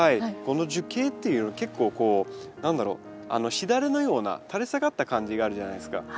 この樹形っていうの結構こう何だろうしだれのような垂れ下がった感じがあるじゃないですか。